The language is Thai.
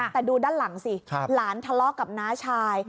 แต่ดูด้านหลังสิหลานทะเลาะกับน้าชาย